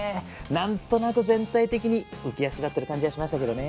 なんとなく全体的に浮き足立ってる感じはしましたけどね。